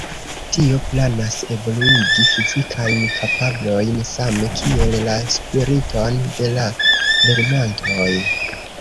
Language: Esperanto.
Tio planas evoluigi fizikajn kapablojn same kiel la spiriton de la lernantoj.